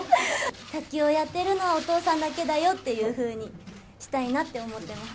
卓球をやってるのはお父さんだけだよっていうふうにしたいなって思ってます。